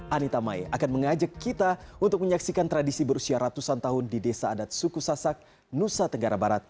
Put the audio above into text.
anita mai akan mengajak kita untuk menyaksikan tradisi berusia ratusan tahun di desa adat suku sasak nusa tenggara barat